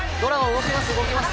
動きます。